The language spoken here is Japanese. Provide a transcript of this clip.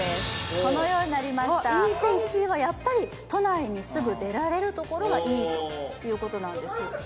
このようになりました１位はやっぱり都内にすぐ出られるところがいいということなんです